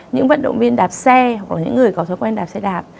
những vận động viên đạp xe hoặc là những người có thói quen đạp xe đạp